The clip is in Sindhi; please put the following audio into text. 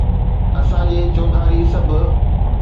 اسان جي چوڌاري سڀ